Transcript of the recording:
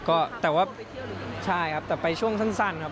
ก็แต่ว่าใช่ครับแต่ไปช่วงสั้นครับ